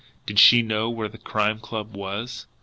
Did she know where the Crime Club was?